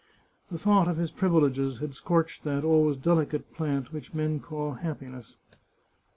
The thought of his privileges had scorched that always delicate plant which men call happiness.